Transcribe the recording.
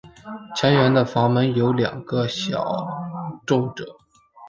前缘的阀门有两个小皱褶。